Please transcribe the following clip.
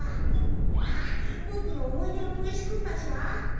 あっぼくの思い出の小石君たちは？